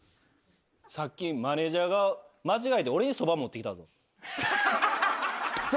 さっきマネジャーが間違えて俺にそば持ってきたぞ。